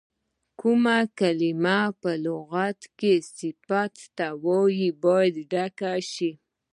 کومه کلمه په لغت کې صفت ته وایي باید ډکه شي.